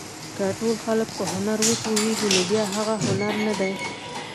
که ټول خلک په هنر وپوهېږي نو بیا هغه هنر نه دی.